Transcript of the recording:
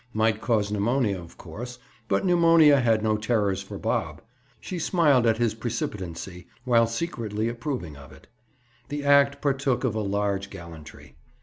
Might cause pneumonia, of course; but pneumonia had no terrors for Bob! She smiled at his precipitancy, while secretly approving of it. The act partook of a large gallantry.